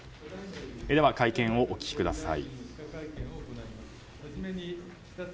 では会見をお聞きください。